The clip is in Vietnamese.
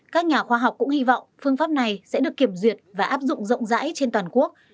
các nhà khoa học cũng hy vọng phương pháp này sẽ được kiểm duyệt và áp dụng rộng rãi trên toàn quốc